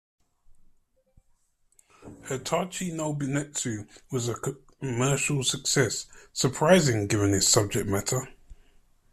"Hatachi No Binetsu" was a commercial success, surprising given its subject matter.